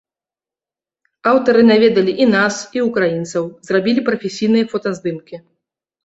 Аўтары наведалі і нас, і ўкраінцаў, зрабілі прафесійныя фотаздымкі.